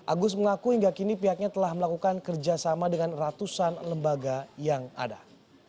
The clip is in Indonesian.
agus mengaku hingga kini pihaknya telah melakukan kerjasama dengan ratusan lembaga yang ada